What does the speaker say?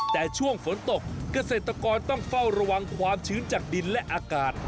แต่ช่วงฝนตกเกษตรกรต้องเฝ้าระวังความชื้นจากดินและอากาศ